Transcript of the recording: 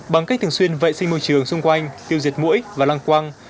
bằng cách thường xuyên vệ sinh môi trường xung quanh tiêu diệt mũi và lăng quang